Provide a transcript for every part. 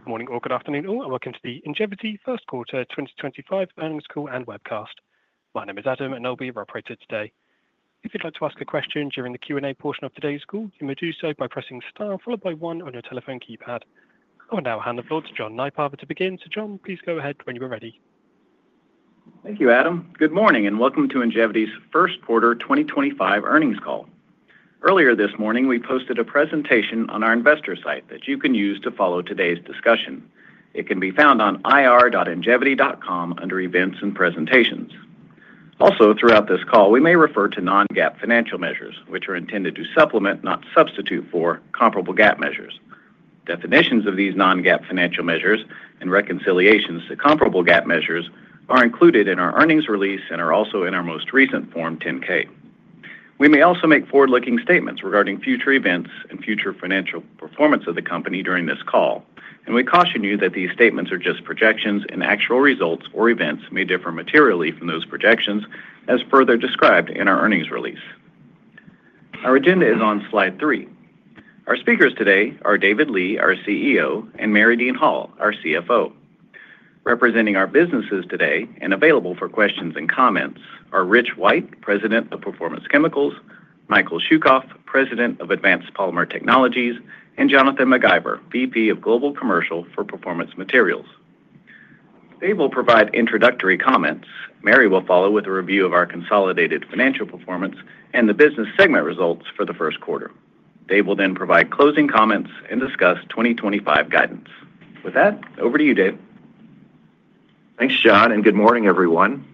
Good morning or good afternoon all, and welcome to the Ingevity First Quarter 2025 Learning School and Webcast. My name is Adam, and I'll be your operator today. If you'd like to ask a question during the Q&A portion of today's call, you may do so by pressing star followed by one on your telephone keypad. I will now hand the floor to John Nypaver to begin. So John, please go ahead when you are ready. Thank you, Adam. Good morning and welcome to Ingevity's First Quarter 2025 earnings call. Earlier this morning, we posted a presentation on our investor site that you can use to follow today's discussion. It can be found on ir.ingevity.com under Events and Presentations. Also, throughout this call, we may refer to non-GAAP financial measures, which are intended to supplement, not substitute for, comparable GAAP measures. Definitions of these non-GAAP financial measures and reconciliations to comparable GAAP measures are included in our earnings release and are also in our most recent form 10-K. We may also make forward-looking statements regarding future events and future financial performance of the company during this call, and we caution you that these statements are just projections, and actual results or events may differ materially from those projections, as further described in our earnings release. Our agenda is on slide three. Our speakers today are David Li, our CEO, and Mary Dean Hall, our CFO. Representing our businesses today and available for questions and comments are Rich White, President of Performance Chemicals; Michael Shukov, President of Advanced Polymer Technologies; and Jonathan MacIver, VP of Global Commercial for Performance Materials. They will provide introductory comments. Mary will follow with a review of our consolidated financial performance and the business segment results for the first quarter. They will then provide closing comments and discuss 2025 guidance. With that, over to you, David. Thanks, John, and good morning, everyone.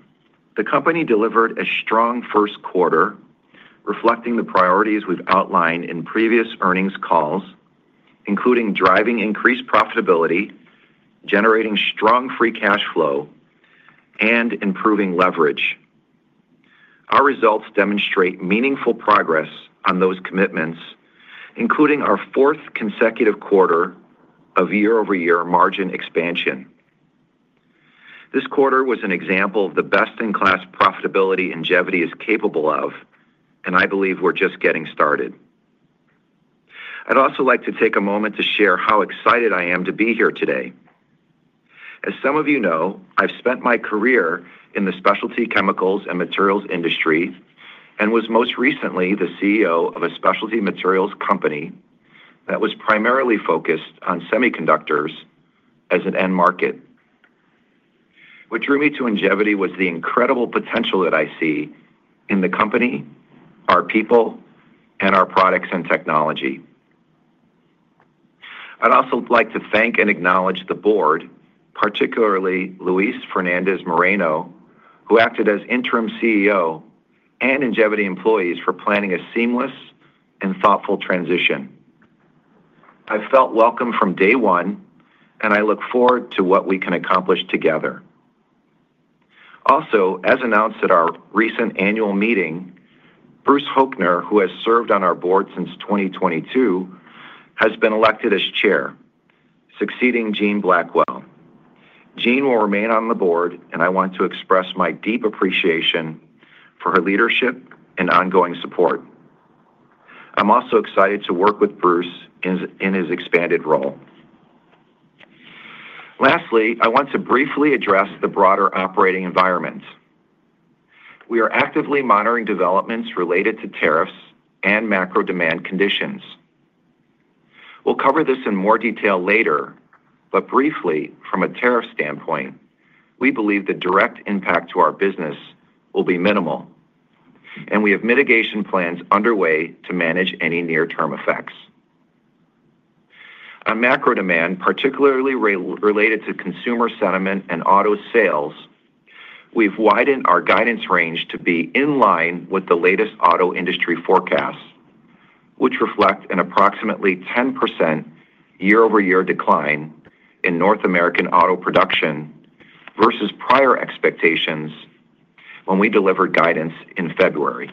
The company delivered a strong first quarter, reflecting the priorities we've outlined in previous earnings calls, including driving increased profitability, generating strong free cash flow, and improving leverage. Our results demonstrate meaningful progress on those commitments, including our fourth consecutive quarter of year-over-year margin expansion. This quarter was an example of the best-in-class profitability Ingevity is capable of, and I believe we're just getting started. I'd also like to take a moment to share how excited I am to be here today. As some of you know, I've spent my career in the specialty chemicals and materials industry and was most recently the CEO of a specialty materials company that was primarily focused on semiconductors as an end market. What drew me to Ingevity was the incredible potential that I see in the company, our people, and our products and technology. I'd also like to thank and acknowledge the board, particularly Luis Fernandez-Moreno, who acted as interim CEO, and Ingevity employees for planning a seamless and thoughtful transition. I felt welcome from day one, and I look forward to what we can accomplish together. Also, as announced at our recent annual meeting, Bruce Hoechner, who has served on our board since 2022, has been elected as chair, succeeding Jean Blackwell. Jean will remain on the board, and I want to express my deep appreciation for her leadership and ongoing support. I'm also excited to work with Bruce in his expanded role. Lastly, I want to briefly address the broader operating environment. We are actively monitoring developments related to tariffs and macro demand conditions. We'll cover this in more detail later, but briefly, from a tariff standpoint, we believe the direct impact to our business will be minimal, and we have mitigation plans underway to manage any near-term effects. On macro demand, particularly related to consumer sentiment and auto sales, we've widened our guidance range to be in line with the latest auto industry forecasts, which reflect an approximately 10% year-over-year decline in North American auto production versus prior expectations when we delivered guidance in February.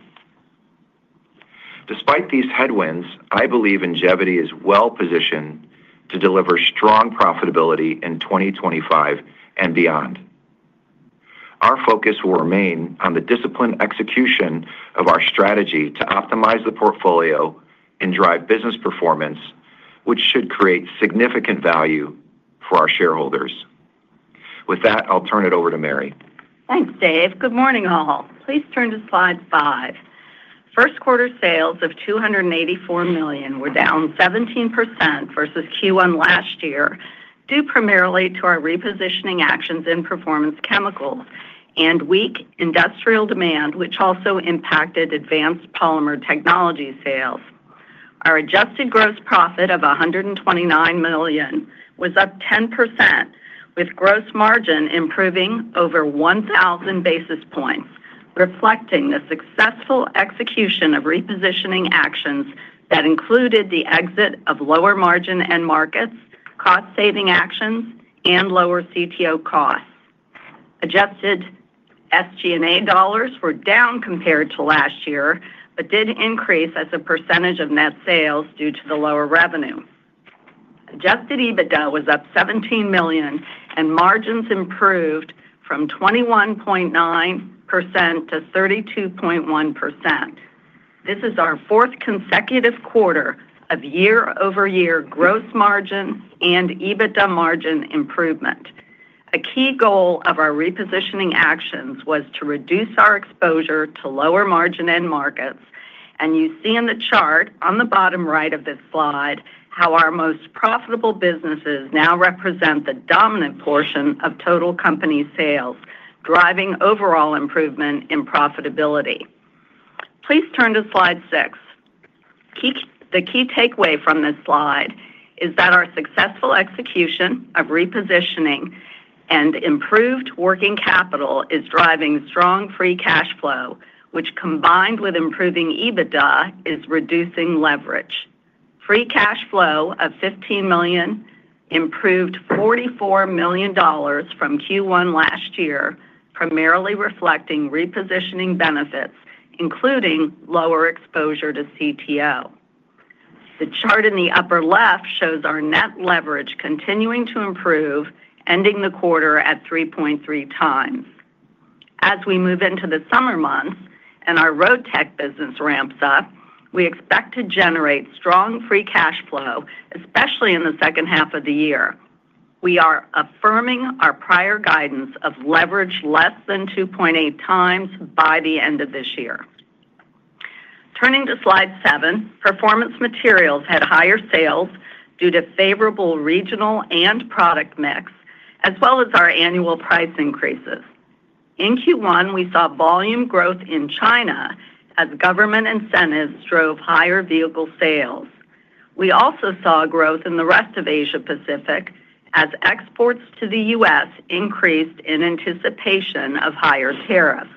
Despite these headwinds, I believe Ingevity is well positioned to deliver strong profitability in 2025 and beyond. Our focus will remain on the disciplined execution of our strategy to optimize the portfolio and drive business performance, which should create significant value for our shareholders. With that, I'll turn it over to Mary. Thanks, Dave. Good morning, all. Please turn to slide five. First quarter sales of $284 million were down 17% versus Q1 last year, due primarily to our repositioning actions in Performance Chemicals and weak industrial demand, which also impacted Advanced Polymer Technologies sales. Our adjusted gross profit of $129 million was up 10%, with gross margin improving over 1,000 basis points, reflecting the successful execution of repositioning actions that included the exit of lower margin end markets, cost-saving actions, and lower CTO costs. Adjusted SG&A dollars were down compared to last year but did increase as a percentage of net sales due to the lower revenue. Adjusted EBITDA was up $17 million, and margins improved from 21.9% to 32.1%. This is our fourth consecutive quarter of year-over-year gross margin and EBITDA margin improvement. A key goal of our repositioning actions was to reduce our exposure to lower margin end markets, and you see in the chart on the bottom right of this slide how our most profitable businesses now represent the dominant portion of total company sales, driving overall improvement in profitability. Please turn to slide six. The key takeaway from this slide is that our successful execution of repositioning and improved working capital is driving strong free cash flow, which, combined with improving EBITDA, is reducing leverage. Free cash flow of $15 million improved $44 million from Q1 last year, primarily reflecting repositioning benefits, including lower exposure to CTO. The chart in the upper left shows our net leverage continuing to improve, ending the quarter at 3.3 times. As we move into the summer months and our road tech business ramps up, we expect to generate strong free cash flow, especially in the second half of the year. We are affirming our prior guidance of leverage less than 2.8 times by the end of this year. Turning to slide seven, Performance Materials had higher sales due to favorable regional and product mix, as well as our annual price increases. In Q1, we saw volume growth in China as government incentives drove higher vehicle sales. We also saw growth in the rest of Asia-Pacific as exports to the U.S. increased in anticipation of higher tariffs.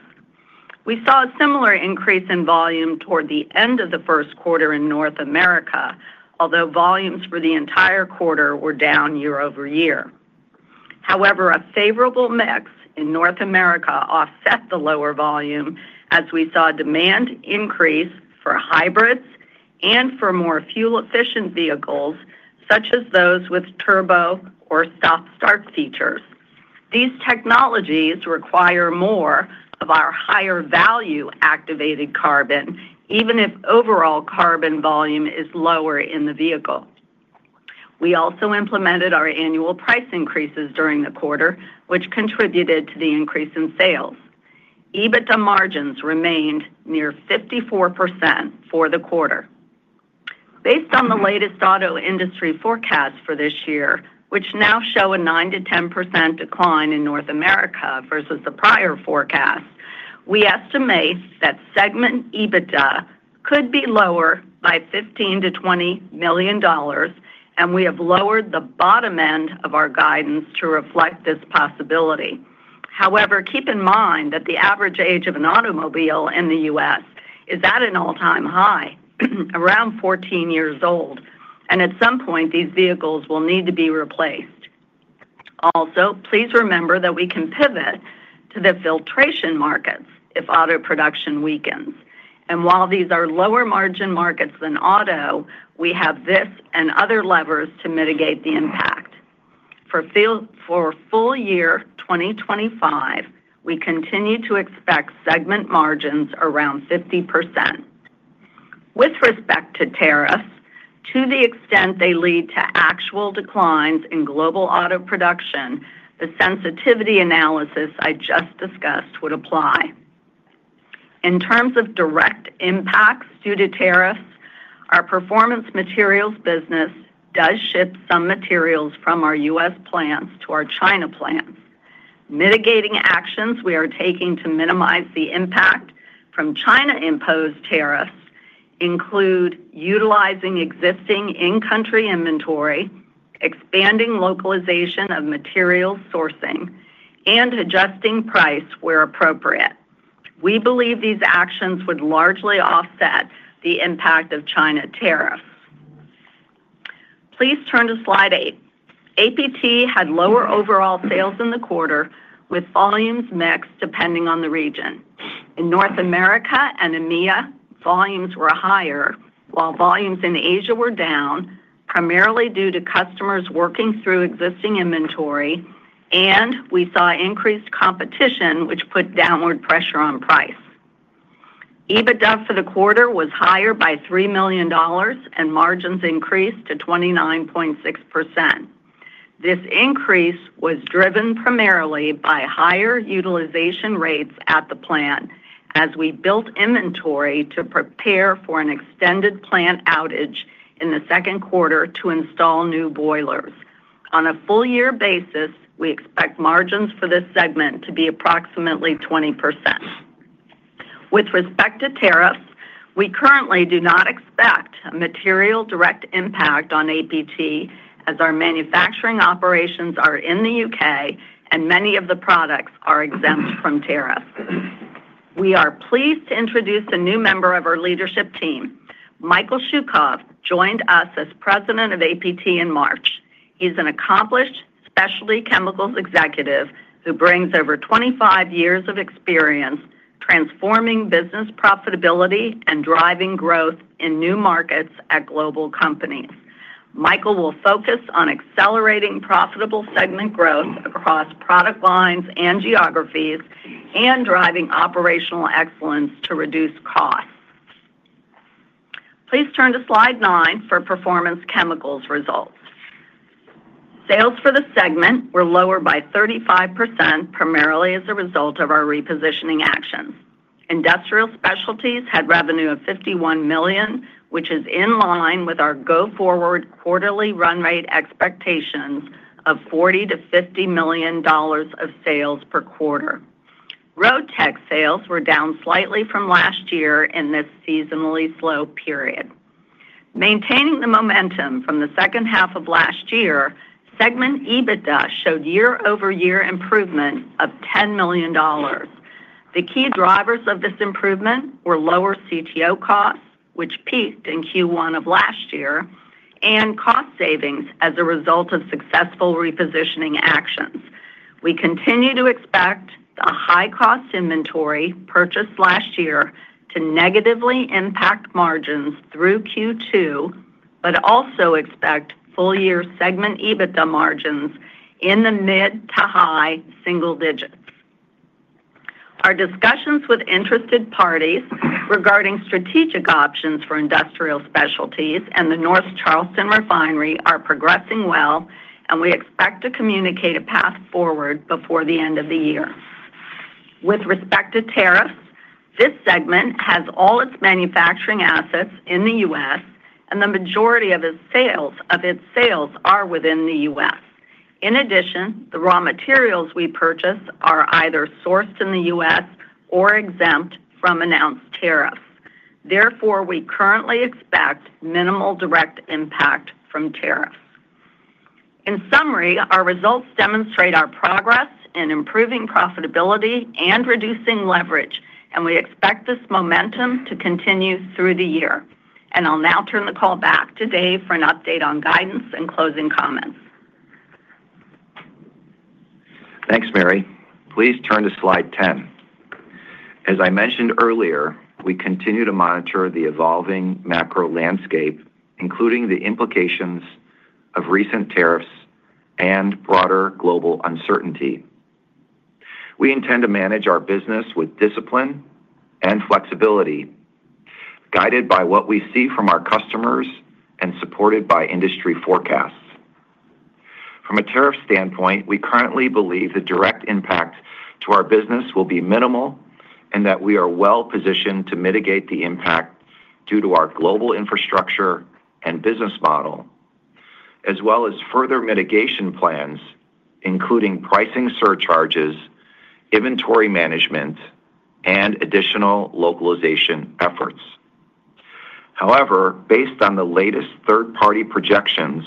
We saw a similar increase in volume toward the end of the first quarter in North America, although volumes for the entire quarter were down year-over-year. However, a favorable mix in North America offset the lower volume as we saw demand increase for hybrids and for more fuel-efficient vehicles, such as those with turbo or stop-start features. These technologies require more of our higher-value activated carbon, even if overall carbon volume is lower in the vehicle. We also implemented our annual price increases during the quarter, which contributed to the increase in sales. EBITDA margins remained near 54% for the quarter. Based on the latest auto industry forecasts for this year, which now show a 9%-10% decline in North America versus the prior forecasts, we estimate that segment EBITDA could be lower by $15 million-$20 million, and we have lowered the bottom end of our guidance to reflect this possibility. However, keep in mind that the average age of an automobile in the U.S. Is at an all-time high, around 14 years old, and at some point, these vehicles will need to be replaced. Also, please remember that we can pivot to the filtration markets if auto production weakens. While these are lower-margin markets than auto, we have this and other levers to mitigate the impact. For full year 2025, we continue to expect segment margins around 50%. With respect to tariffs, to the extent they lead to actual declines in global auto production, the sensitivity analysis I just discussed would apply. In terms of direct impacts due to tariffs, our Performance Materials business does ship some materials from our U.S. plants to our China plants. Mitigating actions we are taking to minimize the impact from China-imposed tariffs include utilizing existing in-country inventory, expanding localization of materials sourcing, and adjusting price where appropriate. We believe these actions would largely offset the impact of China tariffs. Please turn to slide eight. APT had lower overall sales in the quarter, with volumes mixed depending on the region. In North America and EMEA, volumes were higher, while volumes in Asia were down, primarily due to customers working through existing inventory, and we saw increased competition, which put downward pressure on price. EBITDA for the quarter was higher by $3 million, and margins increased to 29.6%. This increase was driven primarily by higher utilization rates at the plant as we built inventory to prepare for an extended plant outage in the second quarter to install new boilers. On a full-year basis, we expect margins for this segment to be approximately 20%. With respect to tariffs, we currently do not expect a material direct impact on APT as our manufacturing operations are in the U.K. and many of the products are exempt from tariffs. We are pleased to introduce a new member of our leadership team. Michael Shukov joined us as President of APT in March. He's an accomplished specialty chemicals executive who brings over 25 years of experience transforming business profitability and driving growth in new markets at global companies. Michael will focus on accelerating profitable segment growth across product lines and geographies and driving operational excellence to reduce costs. Please turn to slide nine for Performance Chemicals results. Sales for the segment were lower by 35%, primarily as a result of our repositioning actions. Industrial specialties had revenue of $51 million, which is in line with our go-forward quarterly run rate expectations of $40 million-$50 million of sales per quarter. Road tech sales were down slightly from last year in this seasonally slow period. Maintaining the momentum from the second half of last year, segment EBITDA showed year-over-year improvement of $10 million. The key drivers of this improvement were lower CTO costs, which peaked in Q1 of last year, and cost savings as a result of successful repositioning actions. We continue to expect the high-cost inventory purchased last year to negatively impact margins through Q2, but also expect full-year segment EBITDA margins in the mid to high single digits. Our discussions with interested parties regarding strategic options for industrial specialties and the North Charleston refinery are progressing well, and we expect to communicate a path forward before the end of the year. With respect to tariffs, this segment has all its manufacturing assets in the U.S., and the majority of its sales are within the U.S. In addition, the raw materials we purchase are either sourced in the U.S. or exempt from announced tariffs. Therefore, we currently expect minimal direct impact from tariffs. In summary, our results demonstrate our progress in improving profitability and reducing leverage, and we expect this momentum to continue through the year. I will now turn the call back to Dave for an update on guidance and closing comments. Thanks, Mary. Please turn to slide 10. As I mentioned earlier, we continue to monitor the evolving macro landscape, including the implications of recent tariffs and broader global uncertainty. We intend to manage our business with discipline and flexibility, guided by what we see from our customers and supported by industry forecasts. From a tariff standpoint, we currently believe the direct impact to our business will be minimal and that we are well positioned to mitigate the impact due to our global infrastructure and business model, as well as further mitigation plans, including pricing surcharges, inventory management, and additional localization efforts. However, based on the latest third-party projections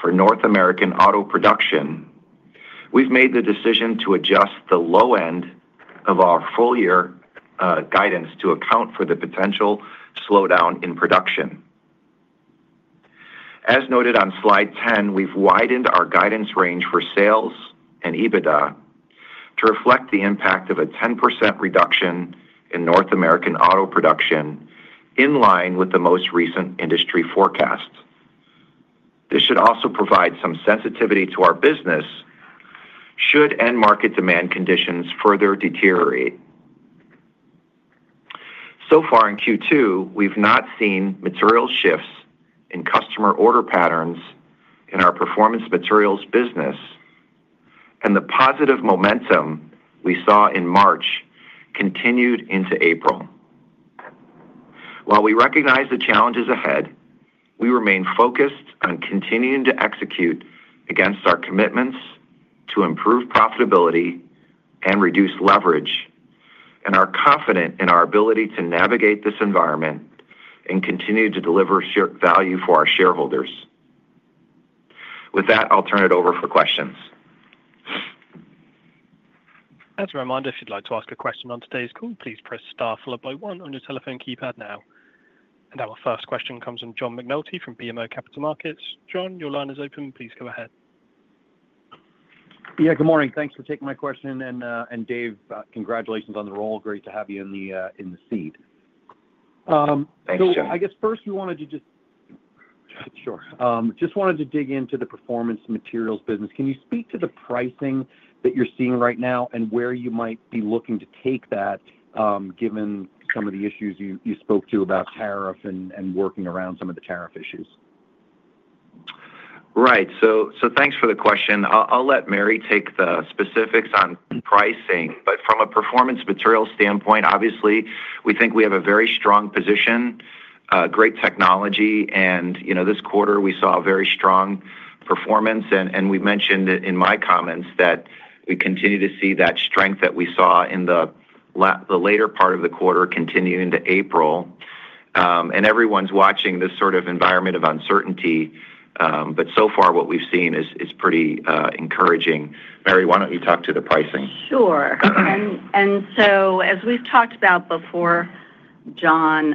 for North American auto production, we've made the decision to adjust the low end of our full-year guidance to account for the potential slowdown in production. As noted on slide 10, we've widened our guidance range for sales and EBITDA to reflect the impact of a 10% reduction in North American auto production in line with the most recent industry forecast. This should also provide some sensitivity to our business should end market demand conditions further deteriorate. So far in Q2, we've not seen material shifts in customer order patterns in our Performance Materials business, and the positive momentum we saw in March continued into April. While we recognize the challenges ahead, we remain focused on continuing to execute against our commitments to improve profitability and reduce leverage, and are confident in our ability to navigate this environment and continue to deliver shared value for our shareholders. With that, I'll turn it over for questions. [As a reminder]. If you'd like to ask a question on today's call, please press star followed by one on your telephone keypad now. Our first question comes from John McNulty from BMO Capital Markets. John, your line is open. Please go ahead. Yeah, good morning. Thanks for taking my question. Dave, congratulations on the role. Great to have you in the seat. Thanks, John. I guess first we wanted to just, sure, just wanted to dig into the Performance Materials business. Can you speak to the pricing that you're seeing right now and where you might be looking to take that given some of the issues you spoke to about tariff and working around some of the tariff issues? Right. So thanks for the question. I'll let Mary take the specifics on pricing. From a Performance Materials standpoint, obviously, we think we have a very strong position, great technology, and this quarter we saw very strong performance. I mentioned in my comments that we continue to see that strength that we saw in the later part of the quarter continuing to April. Everyone's watching this sort of environment of uncertainty, but so far what we've seen is pretty encouraging. Mary, why don't you talk to the pricing? Sure. As we've talked about before, John,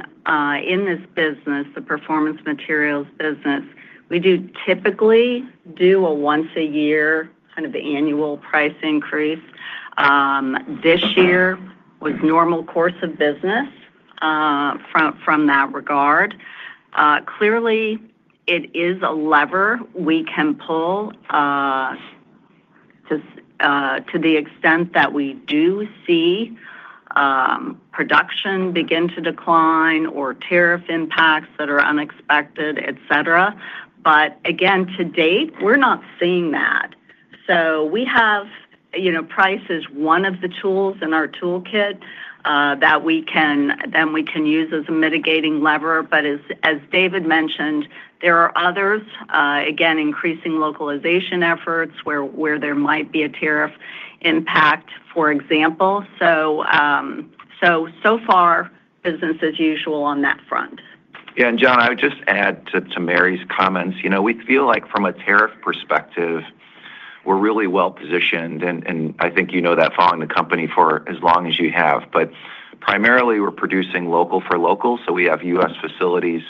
in this business, the Performance Materials business, we do typically do a once-a-year kind of annual price increase. This year was normal course of business from that regard. Clearly, it is a lever we can pull to the extent that we do see production begin to decline or tariff impacts that are unexpected, etc. Again, to date, we're not seeing that. We have price as one of the tools in our toolkit that we can use as a mitigating lever. As David mentioned, there are others, again, increasing localization efforts where there might be a tariff impact, for example. So far, business as usual on that front. Yeah. John, I would just add to Mary's comments. We feel like from a tariff perspective, we're really well positioned. I think you know that, following the company for as long as you have. Primarily, we're producing local for local. We have U.S. facilities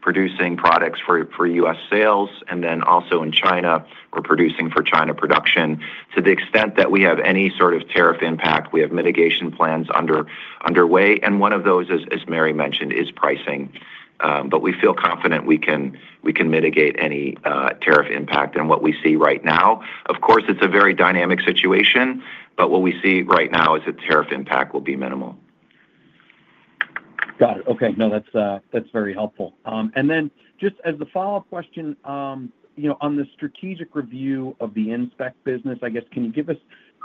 producing products for U.S. sales, and then also in China, we're producing for China production. To the extent that we have any sort of tariff impact, we have mitigation plans underway. One of those, as Mary mentioned, is pricing. We feel confident we can mitigate any tariff impact and what we see right now. Of course, it's a very dynamic situation, but what we see right now is that tariff impact will be minimal. Got it. Okay. No, that's very helpful. Just as a follow-up question, on the strategic review of the inspect business, I guess, can you give us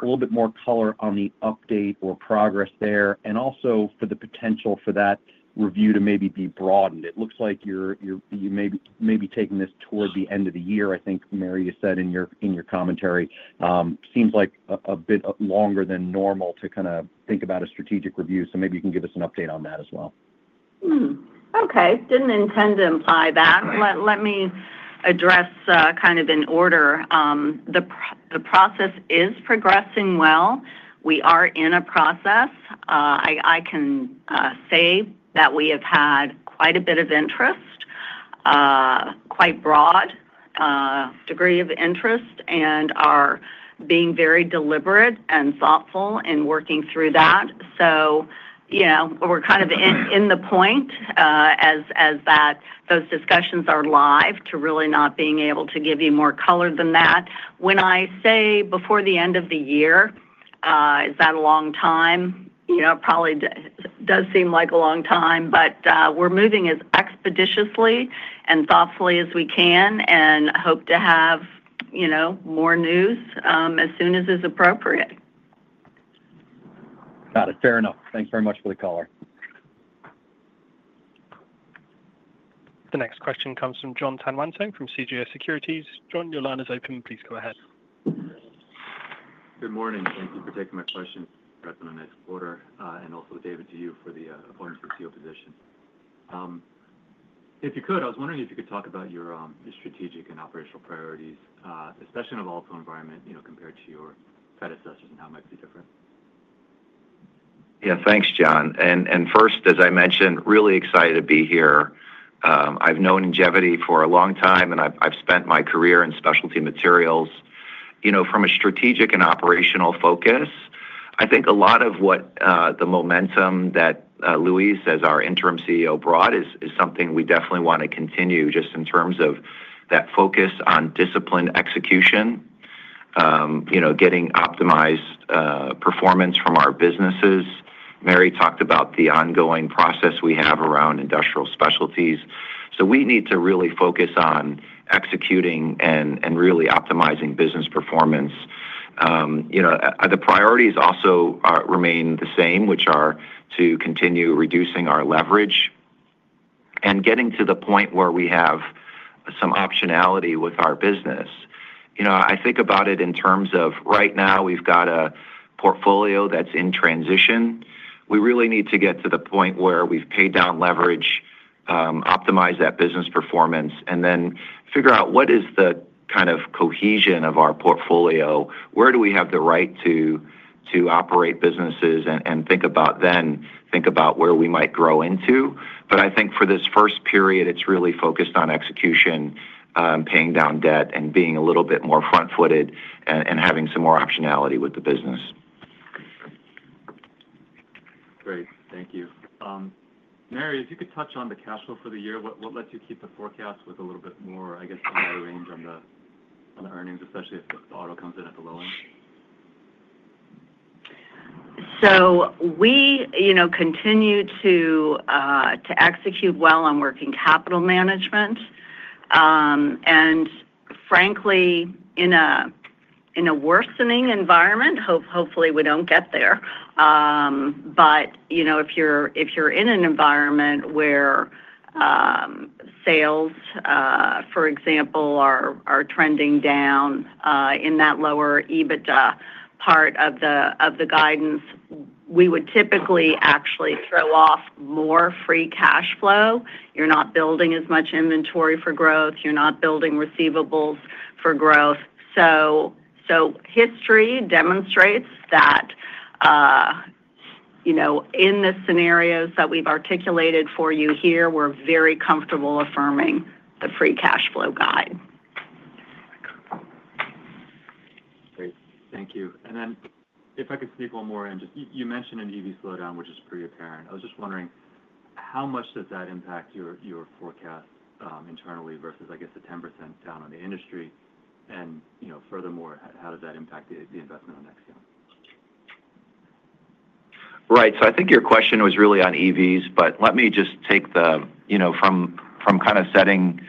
a little bit more color on the update or progress there? Also, for the potential for that review to maybe be broadened. It looks like you may be taking this toward the end of the year, I think Mary had said in your commentary. Seems like a bit longer than normal to kind of think about a strategic review. Maybe you can give us an update on that as well. Okay. Did not intend to imply that. Let me address kind of in order. The process is progressing well. We are in a process. I can say that we have had quite a bit of interest, quite broad degree of interest, and are being very deliberate and thoughtful in working through that. We are kind of in the point as those discussions are live to really not being able to give you more color than that. When I say before the end of the year, is that a long time? It probably does seem like a long time, but we are moving as expeditiously and thoughtfully as we can and hope to have more news as soon as is appropriate. Got it. Fair enough. Thanks very much for the color. The next question comes from Jon Tanwanteng from CJS Securities. Jon, your line is open. Please go ahead. Good morning. Thank you for taking my question for the rest of the next quarter. Also, David, to you for the appointment of your position. If you could, I was wondering if you could talk about your strategic and operational priorities, especially in a volatile environment compared to your predecessors and how it might be different. Yeah. Thanks, Jon. First, as I mentioned, really excited to be here. I've known Ingevity for a long time, and I've spent my career in specialty materials from a strategic and operational focus. I think a lot of the momentum that Luis, as our interim CEO, brought is something we definitely want to continue just in terms of that focus on disciplined execution, getting optimized performance from our businesses. Mary talked about the ongoing process we have around industrial specialties. We need to really focus on executing and really optimizing business performance. The priorities also remain the same, which are to continue reducing our leverage and getting to the point where we have some optionality with our business. I think about it in terms of right now we've got a portfolio that's in transition. We really need to get to the point where we've paid down leverage, optimized that business performance, and then figure out what is the kind of cohesion of our portfolio. Where do we have the right to operate businesses and think about, then think about where we might grow into? I think for this first period, it's really focused on execution, paying down debt, and being a little bit more front-footed and having some more optionality with the business. Great. Thank you. Mary, if you could touch on the cash flow for the year, what led you to keep the forecast with a little bit more, I guess, in that range on the earnings, especially if the auto comes in at the low end? We continue to execute well on working capital management. Frankly, in a worsening environment, hopefully we do not get there. If you are in an environment where sales, for example, are trending down in that lower EBITDA part of the guidance, we would typically actually throw off more free cash flow. You are not building as much inventory for growth. You are not building receivables for growth. History demonstrates that in the scenarios that we have articulated for you here, we are very comfortable affirming the free cash flow guide. Great. Thank you. If I could sneak one more in, just you mentioned an EV slowdown, which is pretty apparent. I was just wondering, how much does that impact your forecast internally versus, I guess, the 10% down on the industry? Furthermore, how does that impact the investment on Excel? Right. I think your question was really on EVs, but let me just take the from kind of setting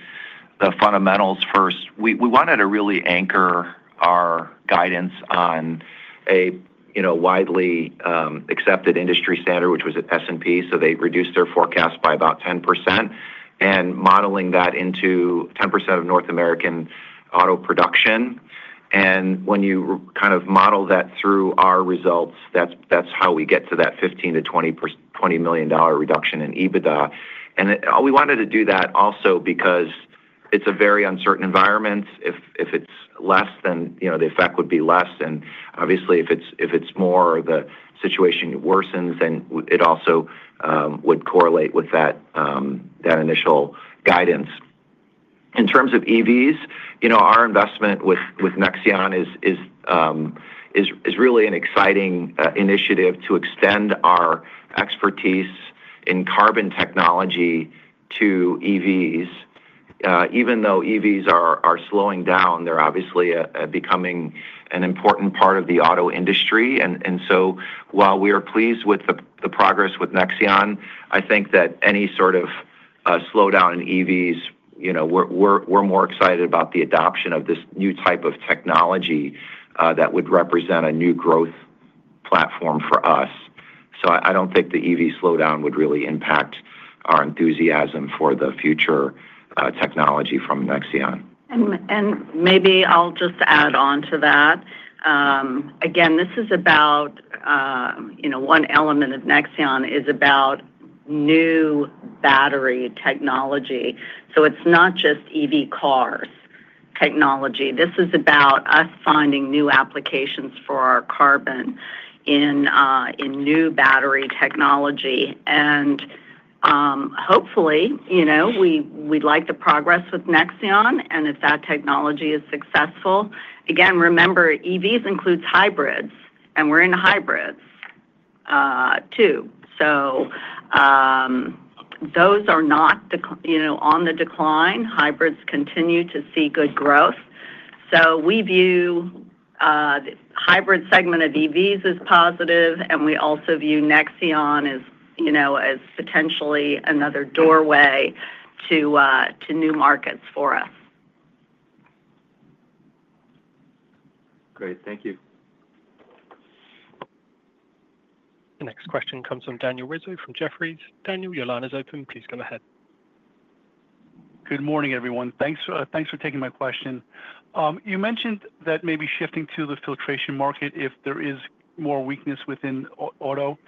the fundamentals first. We wanted to really anchor our guidance on a widely accepted industry standard, which was S&P. They reduced their forecast by about 10% and modeling that into 10% of North American auto production. When you kind of model that through our results, that's how we get to that $15 million-$20 million reduction in EBITDA. We wanted to do that also because it's a very uncertain environment. If it's less, then the effect would be less. Obviously, if it's more or the situation worsens, then it also would correlate with that initial guidance. In terms of EVs, our investment with Nexeon is really an exciting initiative to extend our expertise in carbon technology to EVs. Even though EVs are slowing down, they're obviously becoming an important part of the auto industry. While we are pleased with the progress with Nexeon, I think that any sort of slowdown in EVs, we're more excited about the adoption of this new type of technology that would represent a new growth platform for us. I do not think the EV slowdown would really impact our enthusiasm for the future technology from Nexeon. Maybe I'll just add on to that. Again, this is about one element of Nexeon is about new battery technology. It is not just EV cars technology. This is about us finding new applications for our carbon in new battery technology. Hopefully, we'd like the progress with Nexeon. If that technology is successful, again, remember, EVs includes hybrids, and we're in hybrids too. Those are not on the decline. Hybrids continue to see good growth. We view the hybrid segment of EVs as positive, and we also view Nexeon as potentially another doorway to new markets for us. Great. Thank you. The next question comes from Daniel Rizzo from Jefferies. Daniel, your line is open. Please go ahead. Good morning, everyone. Thanks for taking my question. You mentioned that maybe shifting to the filtration market if there is more weakness within auto.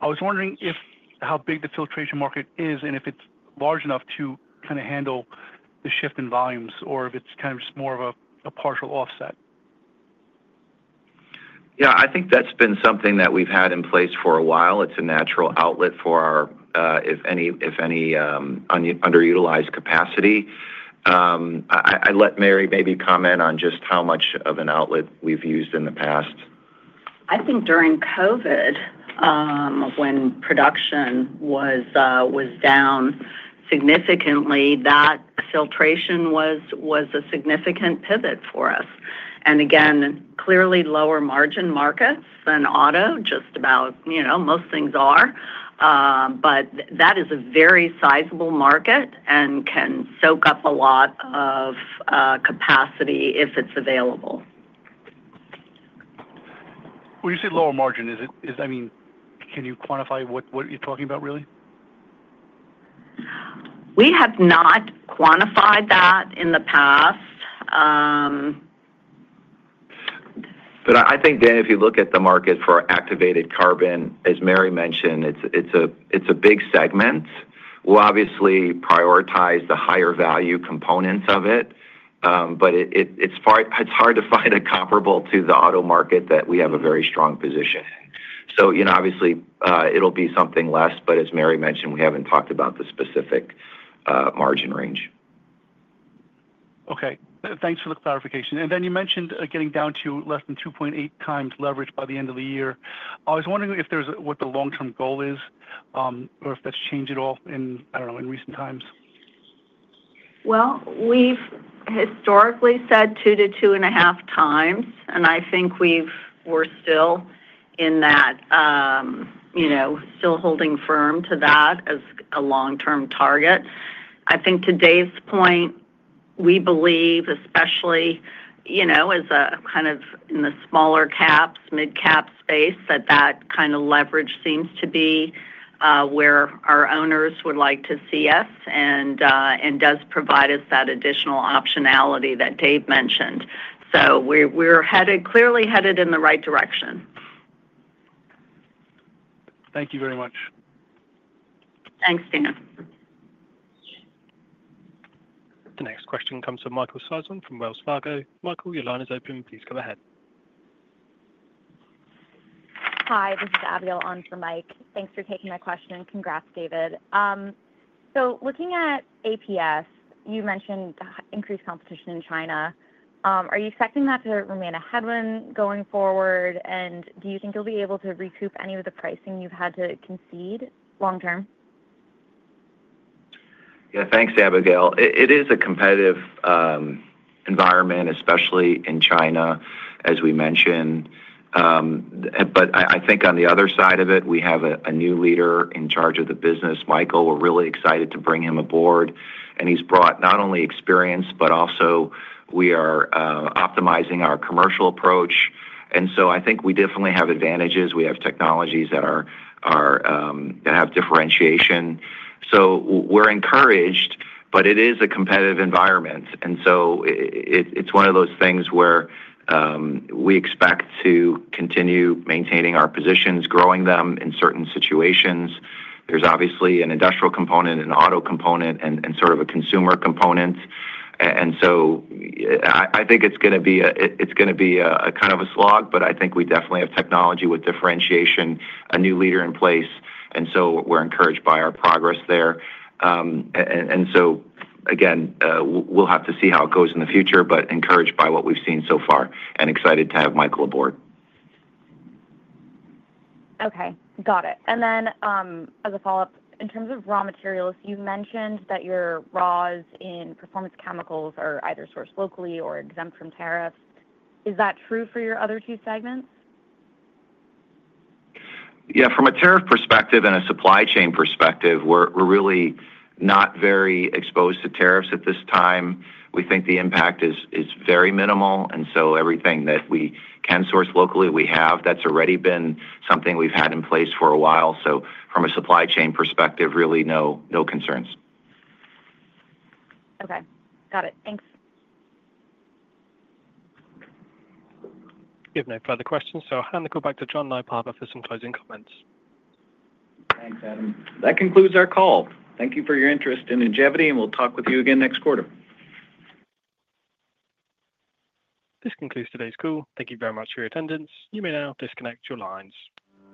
I was wondering how big the filtration market is and if it's large enough to kind of handle the shift in volumes or if it's kind of just more of a partial offset. Yeah. I think that's been something that we've had in place for a while. It's a natural outlet for our, if any, underutilized capacity. I let Mary maybe comment on just how much of an outlet we've used in the past. I think during COVID, when production was down significantly, that filtration was a significant pivot for us. Again, clearly lower margin markets than auto, just about most things are. That is a very sizable market and can soak up a lot of capacity if it is available. When you say lower margin, I mean, can you quantify what you're talking about really? We have not quantified that in the past. I think, Dan, if you look at the market for activated carbon, as Mary mentioned, it's a big segment. We'll obviously prioritize the higher value components of it, but it's hard to find a comparable to the auto market that we have a very strong position in. Obviously, it'll be something less, but as Mary mentioned, we haven't talked about the specific margin range. Okay. Thanks for the clarification. You mentioned getting down to less than 2.8 times leverage by the end of the year. I was wondering if there's what the long-term goal is or if that's changed at all in, I don't know, in recent times. We have historically said 2 times to 2.5 times, and I think we are still in that, still holding firm to that as a long-term target. I think to Dave's point, we believe, especially as a kind of in the smaller caps, mid-cap space, that that kind of leverage seems to be where our owners would like to see us and does provide us that additional optionality that Dave mentioned. We are clearly headed in the right direction. Thank you very much. Thanks, Dan. The next question comes from Michael Sison from Wells Fargo. Michael, your line is open. Please go ahead. Hi. This is Abigail on for Mike. Thanks for taking my question. Congrats, David. Looking at APS, you mentioned increased competition in China. Are you expecting that to remain a headwind going forward? Do you think you'll be able to recoup any of the pricing you've had to concede long-term? Yeah. Thanks, Abigail. It is a competitive environment, especially in China, as we mentioned. I think on the other side of it, we have a new leader in charge of the business, Michael. We're really excited to bring him aboard. He's brought not only experience, but also we are optimizing our commercial approach. I think we definitely have advantages. We have technologies that have differentiation. We're encouraged, but it is a competitive environment. It's one of those things where we expect to continue maintaining our positions, growing them in certain situations. There's obviously an industrial component, an auto component, and sort of a consumer component. I think it's going to be a kind of a slog, but I think we definitely have technology with differentiation, a new leader in place. We are encouraged by our progress there. Again, we will have to see how it goes in the future, but encouraged by what we have seen so far and excited to have Michael aboard. Okay. Got it. As a follow-up, in terms of raw materials, you mentioned that your raws in Performance Chemicals are either sourced locally or exempt from tariffs. Is that true for your other two segments? Yeah. From a tariff perspective and a supply chain perspective, we're really not very exposed to tariffs at this time. We think the impact is very minimal. Everything that we can source locally, we have. That's already been something we've had in place for a while. From a supply chain perspective, really no concerns. Okay. Got it. Thanks. Given no further questions. I'll hand the call back to John Nypaver for some closing comments. Thanks, Adam. That concludes our call. Thank you for your interest in Ingevity, and we'll talk with you again next quarter. This concludes today's call. Thank you very much for your attendance. You may now disconnect your lines.